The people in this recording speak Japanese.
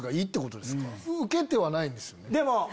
ウケてはないんですよね。